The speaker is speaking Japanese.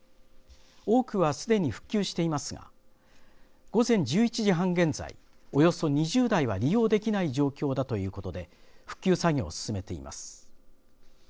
多くはすでに復旧していますが午前１１時半現在およそ２０台は利用できない状況だということで復旧作業を進めています。